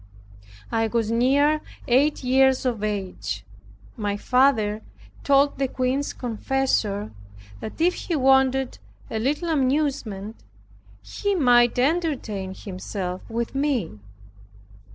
I was near eight years of age. My father told the Queen's confessor that if he wanted a little amusement he might entertain himself with me.